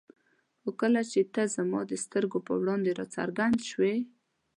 خو کله چې ته زما د سترګو په وړاندې را څرګند شوې.